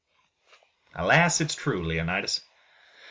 "Alas! It's true, Leonidas!